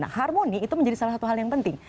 nah harmoni itu menjadi salah satu hal yang penting